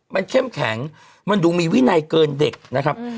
มันเข้มแข็งมันดูมีวินัยเกินเด็กนะครับ